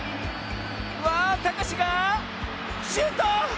わあたかしがシュート！